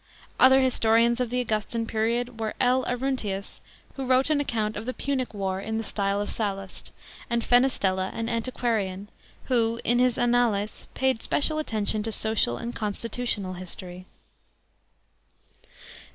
Other historians of the Augustan period were L. ARRUNTIUS, who wrote an account of the Ptmic war in the style of Sallust, and KENKSTELLA, an antiquarian, who, in his Annales, paid special attention to social and constitu tional history.